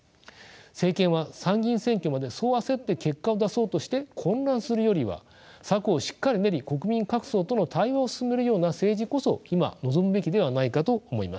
政権は参議院選挙までそう焦って結果を出そうとして混乱するよりは策をしっかり練り国民各層との対話を進めるような政治こそ今望むべきではないかと思います。